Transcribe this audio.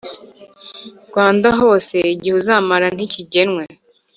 Rwanda hose Igihe uzamara ntikigenwe